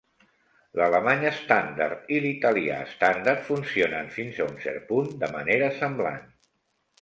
L'alemany estàndard i l'italià estàndard funcionen fins a un cert punt de manera semblant.